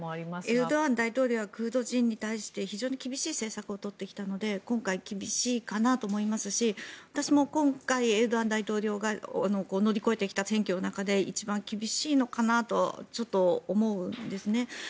エルドアン大統領はクルド人に対して非常に厳しい政策を取ってきたので今回、厳しいかなと思いますし私も今回、エルドアン大統領が乗り越えてきた選挙の中で一番厳しいのかなとちょっと思うんですね。